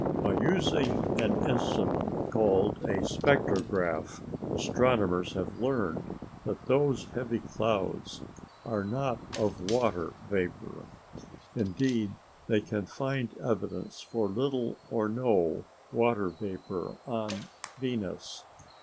By using an instrument called a spectrograph, astronomers have learned that those heavy clouds are not clouds of water vapor. Indeed, they can find evidence for little or no water vapor on Venus.